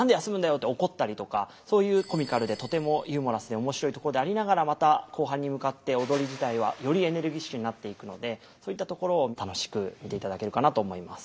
って怒ったりとかそういうコミカルでとてもユーモラスで面白いところでありながらまた後半に向かって踊り自体はよりエネルギッシュになっていくのでそういったところを楽しく見ていただけるかなと思います。